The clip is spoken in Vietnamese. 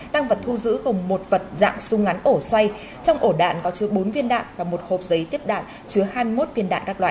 tăng vật thu giữ gồm một vật dạng súng ngắn ổ xoay trong ổ đạn có chứa bốn viên đạn và một hộp giấy tiếp đạn chứa hai mươi một viên đạn các loại